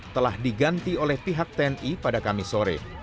telah diganti oleh pihak tni pada kamis sore